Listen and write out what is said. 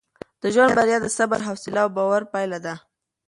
د ژوند بریا د صبر، حوصله او باور پایله ده.